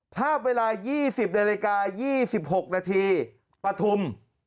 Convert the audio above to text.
ภาพเวลา๒๐น๒๖นประทุม